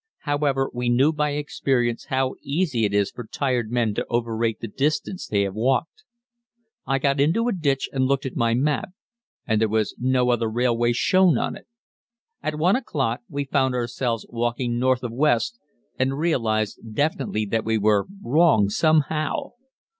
However, we knew by experience how easy it is for tired men to overrate the distance they have walked. I got into a ditch and looked at my map, and there was no other railway shown on it. At 1 o'clock we found ourselves walking north of west, and realized definitely that we were wrong somehow.